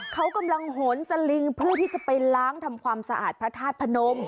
เขากำลังโหนสลิงเพื่อที่จะไปล้างทำความสะอาดพระธาตุพนม